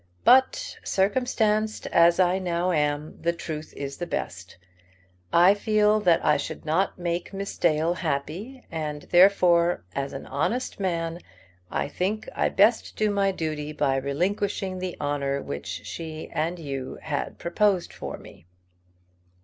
But, circumstanced as I now am, the truth is the best. I feel that I should not make Miss Dale happy; and, therefore, as an honest man, I think I best do my duty by relinquishing the honour which she and you had proposed for me."